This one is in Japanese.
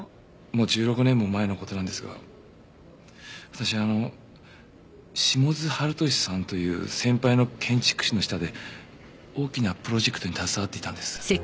もう１６年も前の事なんですが私あの下津晴稔さんという先輩の建築士の下で大きなプロジェクトに携わっていたんです。